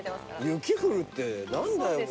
雪降るって何だよこれ。